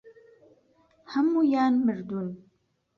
هەموویان مردوون.